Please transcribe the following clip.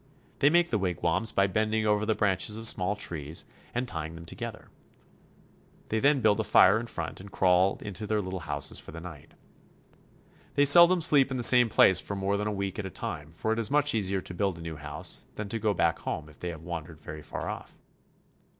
They make the wigwams by bending over the branches of small trees and STRAIT OF MAGELLAN. 155 tying them together. They then build a fire in front, and crawl into their little houses for the night. They seldom sleep in the same place for more than a week at a time, for it is much easier to build a new house than to go back home if they have wandered very far off.